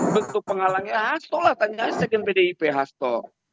bentuk penghalangnya hasto lah tanya aja segen pdip hasto